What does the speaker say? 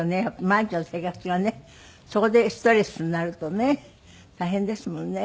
毎日の生活がねそこでストレスになるとね大変ですもんね。